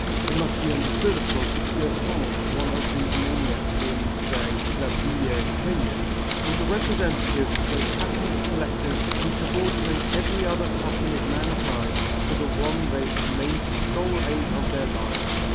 It must be understood, of course, that Gersaint, one of these maniacs in, say, La Bruyère's opinion, was a representative of those passionate collectors who subordinate every other passion of mankind to the one they have made the sole aim of their lives.